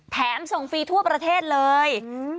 แถมส่งฟรีทั่วประเทศเลย